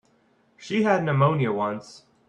She had pneumonia once.